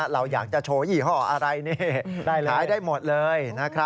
เราอยากจะโฉยีห้ออะไรใครได้หมดเลย